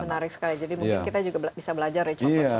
menarik sekali jadi mungkin kita juga bisa belajar ya